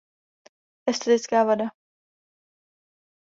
Estetická vada.